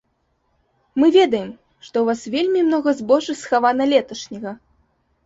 Мы ведаем, што ў вас вельмі многа збожжа схавана леташняга.